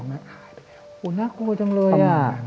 นี่นว่ากลัวจังเลย